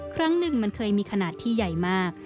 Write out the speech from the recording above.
ครั้งหนึ่งมันเคยมีขนาดที่ใหญ่มาก